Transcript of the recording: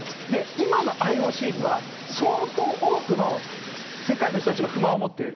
今のＩＯＣには、相当多くの世界の人たちが不満を持っている。